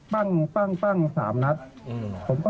ปั้งปั้ง๓นัพ